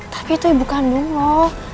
tapi itu ibu kandung loh